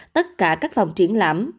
tất cả các phòng triển lãm